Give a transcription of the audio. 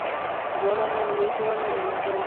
دواړه نانوايي ته ور ننوتل.